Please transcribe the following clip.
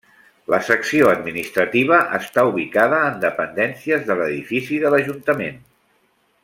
La secció Administrativa està ubicada en dependències de l'edifici de l'Ajuntament.